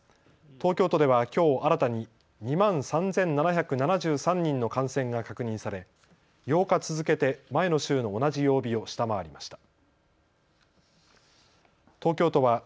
東京都ではきょう新たに２万３７７３人の感染が確認され８日続けて前の週の同じ曜日を下回りました。